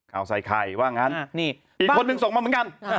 ข่าวใส่ไข่ว่างั้นอีกคนนึงส่งมาเหมือนกัน